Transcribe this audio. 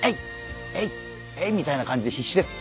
「えいっえいっ」みたいな感じで必死です。